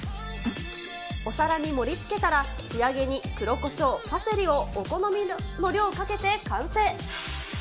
お皿に盛りつけたら、仕上げに黒こしょう、パセリをお好みの量をかけて完成。